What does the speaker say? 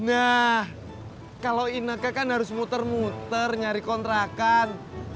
nah kalau inaka kan harus muter muter nyari kontrakan